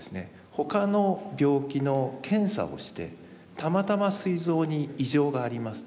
他の病気の検査をしてたまたますい臓に異常がありますと。